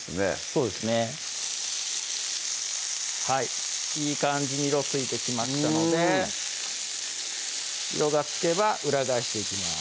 そうですねはいいい感じに色ついてきましたので色がつけば裏返していきます